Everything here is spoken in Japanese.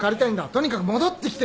とにかく戻ってきてくれ。